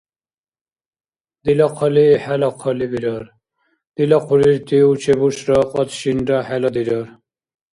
Дила хъали хӀела хъали бирар, дила хъулирти у-чебушра кьацӀ-шинра хӀела дирар…